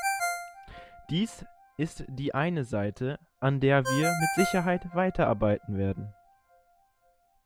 Dies ist die eine Seite, an der wir mit Sicherheit weiterarbeiten werden.